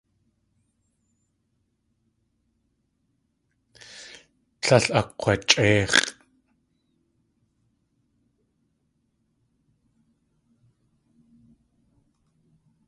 Tlél akg̲wachʼéix̲ʼ.